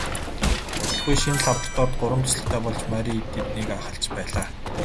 Удалгүй шинэ лабораторид гурван туслахтай болж Мария тэднийг ахалж байлаа.